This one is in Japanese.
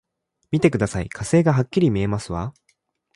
見てください、火星がはっきり見えますわ！